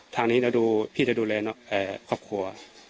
ทางนี้พี่จะดูแลครอบครัว